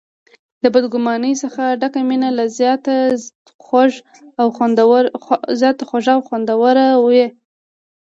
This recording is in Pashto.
د بد ګمانۍ څخه ډکه مینه لا زیاته خوږه او خوندوره وي.